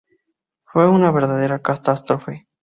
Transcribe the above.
Fue una verdadera catástrofe.